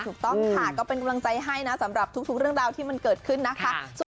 ถูกต้องค่ะก็เป็นกำลังใจให้นะสำหรับทุกเรื่องราวที่มันเกิดขึ้นนะคะ